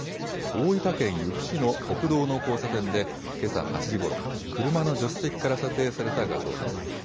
大分県由布市の国道の交差点で、けさ８時ごろ、車の助手席から撮影された画像です。